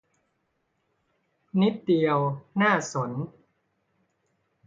นิดเดียว น่าสน